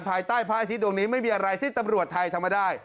ภายใต้ภายซีดวงนี้ไม่มีอะไรที่ตำรวจไทยทำได้